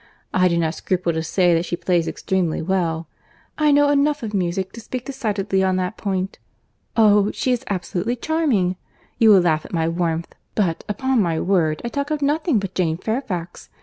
I do not scruple to say that she plays extremely well. I know enough of music to speak decidedly on that point. Oh! she is absolutely charming! You will laugh at my warmth—but, upon my word, I talk of nothing but Jane Fairfax.